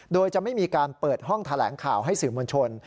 โดยจะไม่มีการเปิดห้องแถลงข่าวให้สื่อมวลชน